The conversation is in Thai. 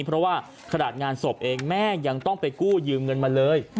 เพราะว่าขนาดงานศพเองแม่ยังต้องไปกู้ยืมเงินมาเลย